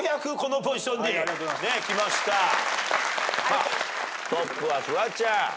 さあトップはフワちゃん。